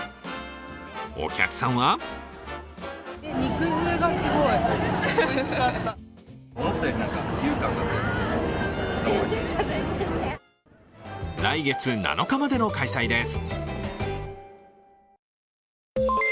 お客さんは来月７日までの開催です。